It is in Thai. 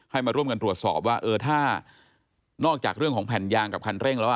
มาร่วมกันตรวจสอบว่าเออถ้านอกจากเรื่องของแผ่นยางกับคันเร่งแล้ว